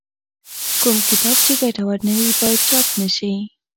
کوم کتاب چې ګټور نه وي باید چاپ نه شي.